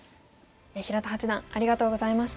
平田八段ありがとうございました。